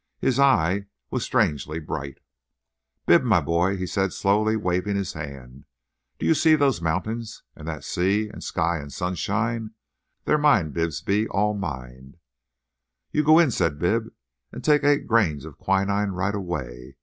His eye was strangely bright. "Bibb, my boy," said he, slowly waving his hand, "do you see those mountains and that sea and sky and sunshine?—they're mine, Bibbsy—all mine." "You go in," said Bibb, "and take eight grains of quinine, right away.